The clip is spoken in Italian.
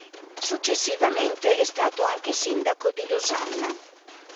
Successivamente è stato anche sindaco di Losanna.